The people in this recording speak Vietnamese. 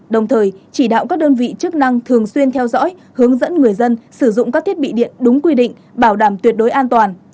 đồng thời chỉ đạo các đơn vị chức năng thường xuyên theo dõi hướng dẫn người dân sử dụng các thiết bị điện đúng quy định bảo đảm tuyệt đối an toàn